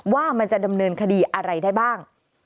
ว่ามันจะดำเนินคดีอะไรได้บ้าง